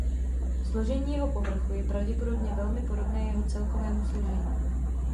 Složení jeho povrchu je pravděpodobně velmi podobné jeho celkovému složení.